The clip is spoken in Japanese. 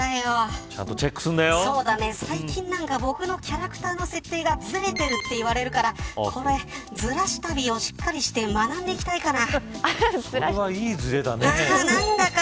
最近、何か僕のキャラクターの設定がずれてるって言われてるからずらし旅をしっかりして学んでいきたいかな。